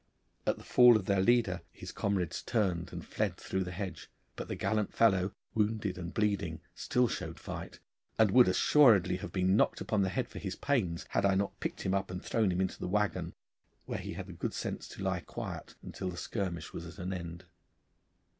At the fall of their leader his comrades turned and fled through the hedge, but the gallant fellow, wounded and bleeding, still showed fight, and would assuredly have been knocked upon the head for his pains had I not picked him up and thrown him into the waggon, where he had the good sense to lie quiet until the skirmish was at an end.